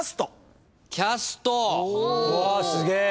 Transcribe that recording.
うわすげえ！